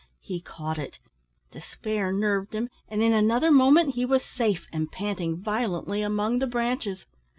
He caught it; despair nerved him, and in another moment he was safe, and panting violently among the branches.